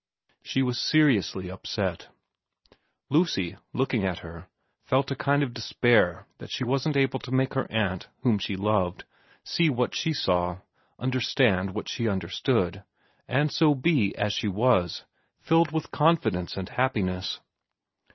She was seriously upset. 87 88 VERA ii Lucy, looking at her, felt a kind of despair that she wasn't being able to make her aunt, whom she loved, see what she saw, understand what she understood, and so be, as she was, filled with confidence and happiness.